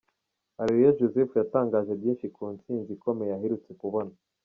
Areruya Joseph yatangaje byinshi ku nsinzi ikomeye aherutse kubona.